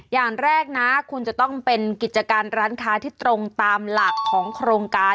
อย่างแรกนะคุณจะต้องเป็นกิจการร้านค้าที่ตรงตามหลักของโครงการ